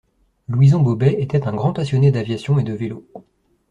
Louison Bobet était un grand passionné d'aviation et de vélo.